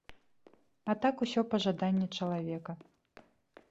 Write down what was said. А так усё па жаданні чалавека.